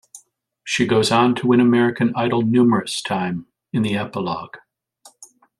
She goes on to win American Idol numerous time in the epilogue.